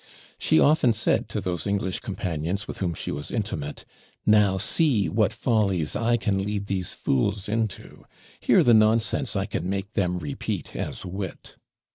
She often said to those English companions with whom she was intimate, 'Now see what follies I can lead these fools into. Hear the nonsense I can make them repeat as wit.'